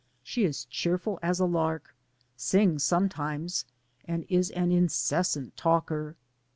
She is cheerful as a lark, sings sometimes, and is an incessant talker.